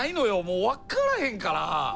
もう分からへんから。